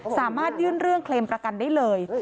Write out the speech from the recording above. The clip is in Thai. สามารถยื่นเรื่องเคลมประกันได้เลย